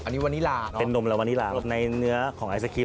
อันนี้วานิลาเป็นนมลาวานิลาในเนื้อของไอศครีม